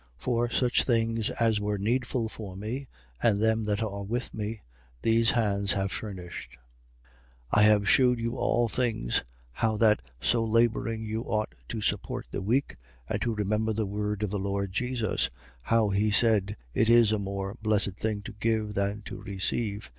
For such things as were needful for me and them that are with me, these hands have furnished. 20:35. I have shewed you all things, how that so labouring you ought to support the weak and to remember the word of the Lord Jesus, how he said: It is a more blessed thing to give, rather than to receive.